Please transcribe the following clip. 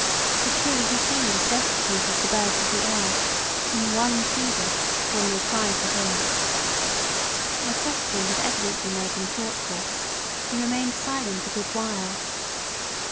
For truly he seemed as destitute as the birds of the air, whom ONE feedeth, when they cry to Him. My question had evidently made him thoughtful; he remained silent a good while.